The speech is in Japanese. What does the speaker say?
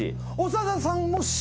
長田さんもＣ。